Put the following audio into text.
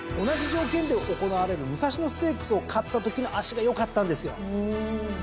同じ条件で行われる武蔵野ステークスを勝ったときの脚が良かったんですよ。